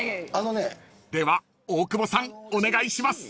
［では大久保さんお願いします］